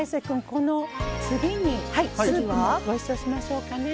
この次にスープもご一緒しましょうかね。